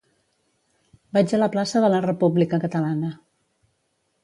Vaig a la plaça de la República Catalana.